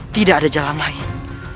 tidak ada jalan lain